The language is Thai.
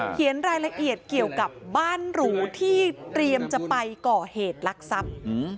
เขียนรายละเอียดเกี่ยวกับบ้านหรูที่เตรียมจะไปก่อเหตุลักษัพ